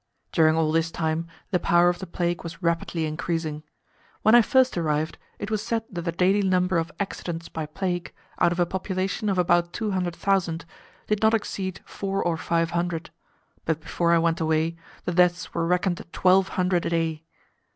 During all this time the power of the plague was rapidly increasing. When I first arrived, it was said that the daily number of "accidents" by plague, out of a population of about two hundred thousand, did not exceed four or five hundred, but before I went away the deaths were reckoned at twelve hundred a day.